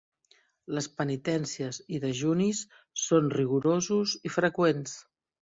Les penitències i dejunis són rigorosos i freqüents.